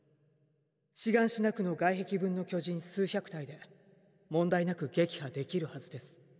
シガンシナ区の外壁分の巨人数百体で問題なく撃破できるはずです。